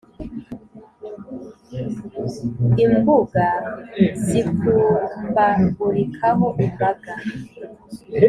imbuga zikumbagurikaho imbaga